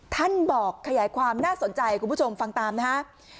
ท่านบอกขยายความน่าสนใจคุณผู้ชมฟังตามนะฮะ